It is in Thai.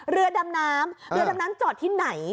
เรือดำน้ำเรือดำน้ำจอดที่ไหน